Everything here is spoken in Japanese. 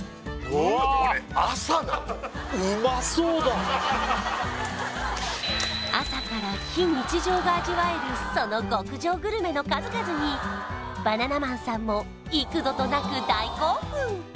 これ朝から非日常が味わえるその極上グルメの数々にバナナマンさんも幾度となく大興奮！